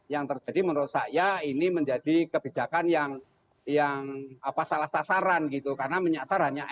yang terjadi menurut saya ini menjadi kebijakan yang yang salah sasaran gitu karena menyasar hanya